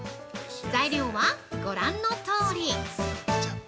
材料はご覧のとおり！